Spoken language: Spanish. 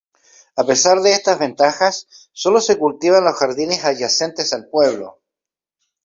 A pesar de estas ventajas, solo se cultivan los jardines adyacentes al pueblo".